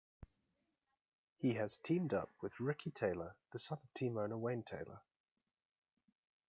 He has teamed up with Ricky Taylor, the son of team owner Wayne Taylor.